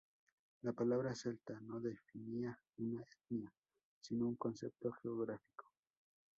La palabra "celta" no definía una etnia, sino un concepto geográfico.